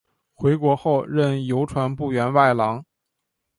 回国后任邮传部员外郎。